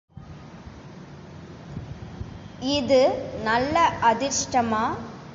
இது நல்ல அதிர்ஷ்டமா?